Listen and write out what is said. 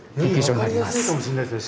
より分かりやすいかもしれないですね